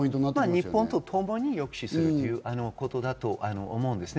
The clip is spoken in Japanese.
日本とともに抑止するということだと思います。